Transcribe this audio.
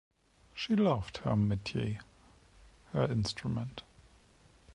She loved her metier, her instrument.